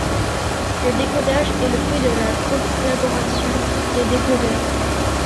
Le décodage est le fruit de la collaboration des décodeurs.